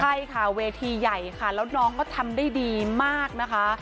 ใช่ค่ะเวทีใหญ่ค่ะแล้วน้องก็ทำได้ดีมากนะคะ